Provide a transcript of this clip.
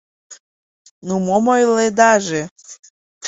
Ну мом ойледаже?